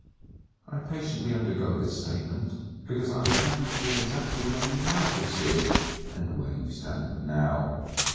I patiently undergo this statement, because I would have you see exactly where you might have stood, and where you stand now.